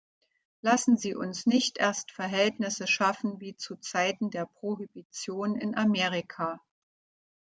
Lassen Sie uns nicht erst Verhältnisse schaffen wie zu Zeiten der Prohibition in Amerika.